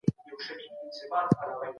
ولي خلګ له دولتي ادارو شکايت کوي؟